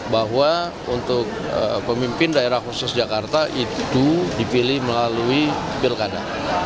bahwa untuk pemimpin daerah khusus jakarta itu dipilih melalui pilkada